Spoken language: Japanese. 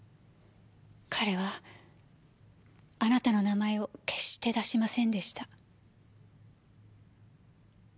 彼はあなたの名前を決して出しませんでした。